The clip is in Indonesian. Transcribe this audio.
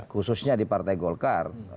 khususnya di partai golkar